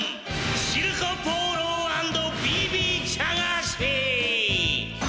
シルコ・ボーロ＆Ｂ．Ｂ．チャガーシ！